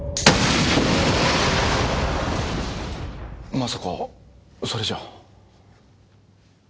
まさかそれじゃあ。